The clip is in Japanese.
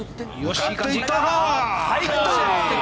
入った。